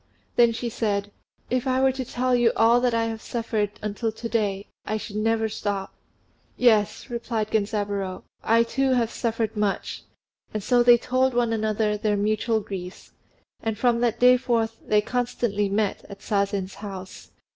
Then she said, "If I were to tell you all I have suffered until to day, I should never stop." "Yes," replied Genzaburô, "I too have suffered much;" and so they told one another their mutual griefs, and from that day forth they constantly met at Sazen's house.